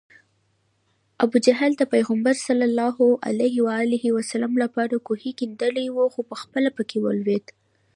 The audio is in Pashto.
ابوجهل د پیغمبر ص لپاره کوهی کیندلی و خو پخپله پکې ولوېد